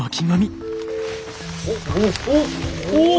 おっ。